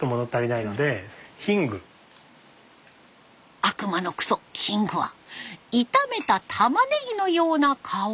悪魔のくそヒングは炒めたたまねぎのような香りになります。